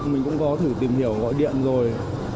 mình cũng có thử tìm hiểu gọi điện rồi